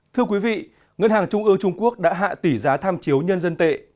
thưa quý vị ngân hàng trung ương trung quốc đã hạ tỷ giá tham chiếu nhân dân tệ